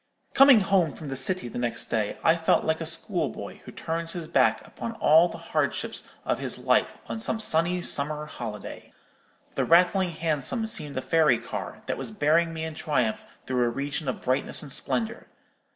"Coming home from the City the next day, I felt like a schoolboy who turns his back upon all the hardships of his life, on some sunny summer holiday. The rattling Hansom seemed a fairy car, that was bearing me in triumph through a region of brightness and splendour.